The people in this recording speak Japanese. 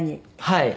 はい。